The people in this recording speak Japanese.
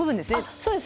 そうです。